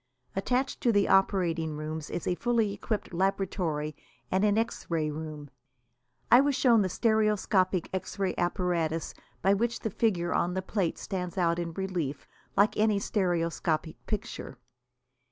Attached to the operating rooms is a fully equipped laboratory and an X ray room. I was shown the stereoscopic X ray apparatus by which the figure on the plate stands out in relief, like any stereoscopic picture.